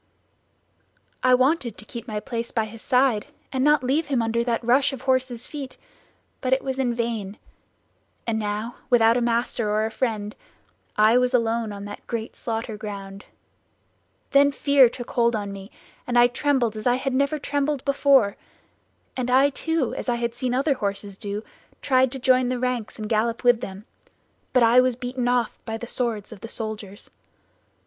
"I wanted to keep my place by his side and not leave him under that rush of horses' feet, but it was in vain; and now without a master or a friend I was alone on that great slaughter ground; then fear took hold on me, and I trembled as I had never trembled before; and I too, as I had seen other horses do, tried to join in the ranks and gallop with them; but I was beaten off by the swords of the soldiers.